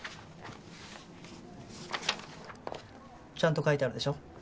ちゃんと書いてあるでしょ？